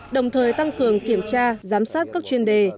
đồng thời tăng cường kiểm tra giám sát các chuyên đề